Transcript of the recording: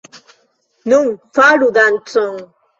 Nun, faru dancon.